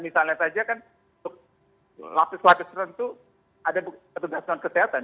misalnya saja kan untuk lapis lapis tertentu ada petugas non kesehatan